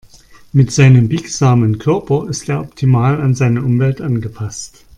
Mit seinem biegsamen Körper ist er optimal an seine Umwelt angepasst.